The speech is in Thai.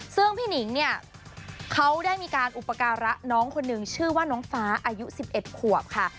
ซึ่งพี่หนิงเนี่ยเขาได้มีการอุปการะน้องคนหนึ่งชื่อว่าน้องฟ้าอายุ๑๑ขวบค่ะ